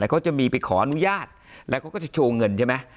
เขาจะมีไปขออนุญาตแล้วเขาก็จะโชว์เงินใช่ไหม